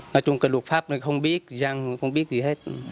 nói chung cái luật pháp này không biết dân không biết gì hết